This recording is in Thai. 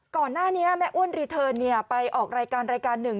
ก่อนหน้านี้แม่อ้วนรีเทิร์นเนี่ยไปออกรายการหนึ่ง